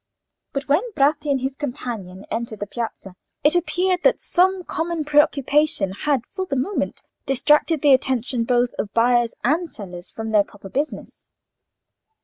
But when Bratti and his companion entered the piazza, it appeared that some common preoccupation had for the moment distracted the attention both of buyers and sellers from their proper business.